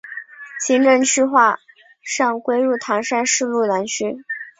行政区划上归入唐山市路南区。